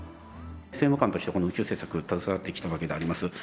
政務官として、この宇宙政策に携わってきたわけであります。